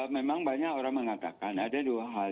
memang banyak orang mengatakan ada dua hal